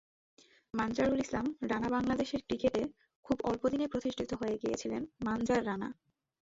মানজারুল ইসলাম রানাবাংলাদেশের ক্রিকেটে খুব অল্প দিনেই প্রতিষ্ঠিত হয়ে গিয়েছিলেন মানজার রানা।